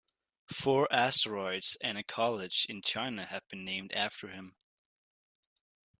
Four asteroids and a college in China have been named after him.